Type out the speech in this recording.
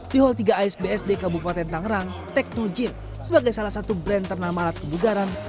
di hall tiga asbsd kabupaten tangerang teknojin sebagai salah satu brand ternama alat kebugaran